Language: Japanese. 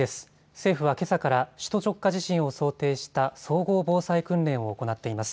政府はけさから首都直下地震を想定した総合防災訓練を行っています。